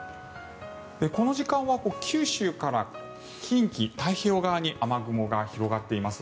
この時間は九州から近畿、太平洋側に雨雲が広がっています。